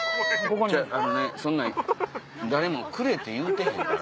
・あのねそんな誰も「くれ」って言うてへんから。